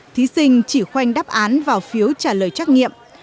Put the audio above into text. thí sinh chỉ khoanh đáp án vào phiếu trả lời trắc nghiệm